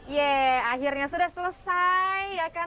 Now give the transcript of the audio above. yeay akhirnya sudah selesai ya kan